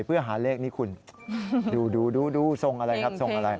เพื่อหาเลขนี้คุณดูส่งอะไรครับ